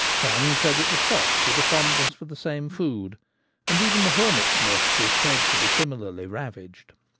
Some credit the fox with a fondness for the same food ; and even the hornet's nest is said to be similarly ravaged.